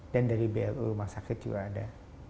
dan dari blu rumah sakit juga ada